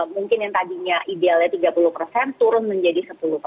mungkin yang tadinya idealnya tiga puluh turun menjadi sepuluh